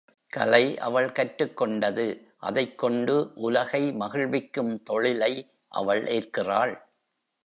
கலை அவள் கற்றுக் கொண்டது அதைக் கொண்டு உலகை மகிழ்விக்கும் தொழிலை அவள் ஏற்கிறாள்.